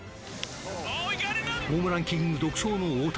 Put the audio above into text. ホームラン王独走の大谷。